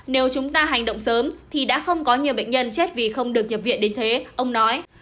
nếu chúng ta hành động sớm thì đã không có nhiều bệnh nhân chết vì không được nhập viện đến thế ông nói